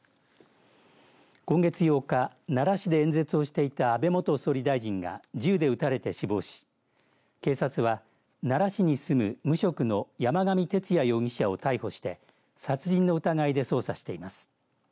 今月８日奈良市で演説をしていた安倍元総理大臣が銃で撃たれて死亡し警察は、奈良市に住む無職の山上徹也容疑者を逮捕して殺人の疑いで捜査しています。